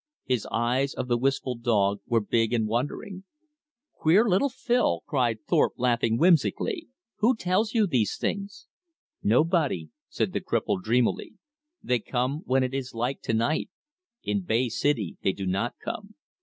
His eyes of the wistful dog were big and wondering. "Queer little Phil!" cried Thorpe laughing whimsically. "Who tells you these things?" "Nobody," said the cripple dreamily, "they come when it is like to night. In Bay City they do not come."